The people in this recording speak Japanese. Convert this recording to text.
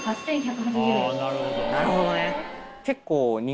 なるほどね。